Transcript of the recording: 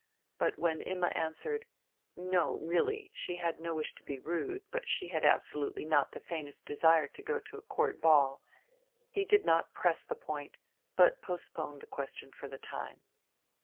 But when Imma answered, "No, really, she had no wish to be rude, but she had absolutely not the faintest desire to go to a Court Ball," he did not press the point, but postponed the question for the time.